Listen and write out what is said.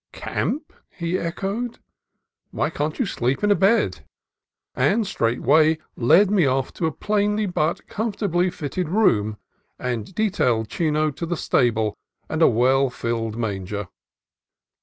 "Camp!" he echoed; "why, can't you sleep in a bed?" And straightway led me off to a plainly but comfortably fitted room, and detailed Chino to the stable and a well filled manger.